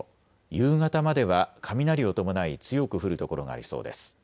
夕方までは雷を伴い強く降る所がありそうです。